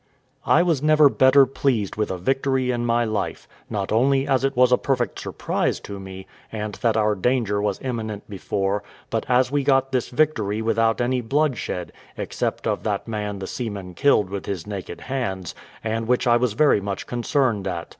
I was never better pleased with a victory in my life; not only as it was a perfect surprise to me, and that our danger was imminent before, but as we got this victory without any bloodshed, except of that man the seaman killed with his naked hands, and which I was very much concerned at.